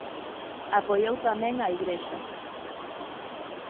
Apoiou tamén á Igrexa.